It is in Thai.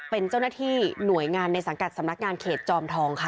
เป็นเจ้าหน้าที่หน่วยงานในสังกัดสำนักงานเขตจอมทองค่ะ